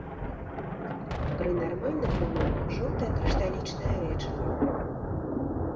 Пры нармальных умовах жоўтае крышталічнае рэчыва.